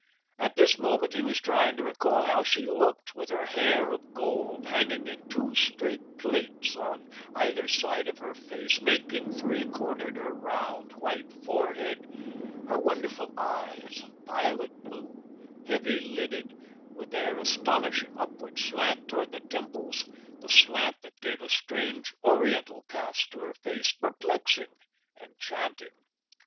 At this moment he was trying to recall how she looked, with her hair of gold hanging in two straight plaits on either side of her face, making three cornered her round, white forehead; her wonderful eyes, violet blue, heavy lidded, with their astonishing upward slant toward the temples, the slant that gave a strange, oriental cast to her face, perplexing, enchanting.